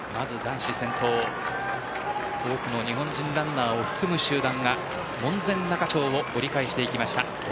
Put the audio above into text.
多くの日本人ランナーを含む集団が門前仲町を折り返してきました。